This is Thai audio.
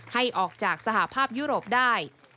ให้ออกจากสหภาพยุโรปได้